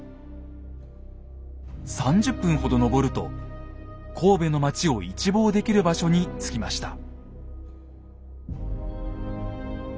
３０分ほど登ると神戸の街を一望できる場所に着きました。